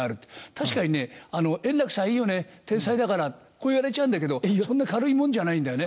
確かにね「円楽さんいいよね天才だから」こう言われちゃうんだけどそんな軽いもんじゃないんだよね。